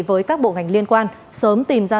với các bộ ngành liên quan sớm tìm ra